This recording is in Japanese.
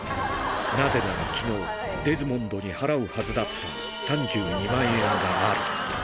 なぜならきのう、デズモンドに払うはずだった３２万円がある。